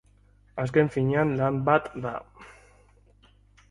Azken finean, lan bat da.